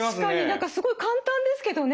何かすごい簡単ですけどね。